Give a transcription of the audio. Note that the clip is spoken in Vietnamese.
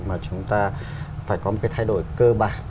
mà chúng ta phải có một cái thay đổi cơ bản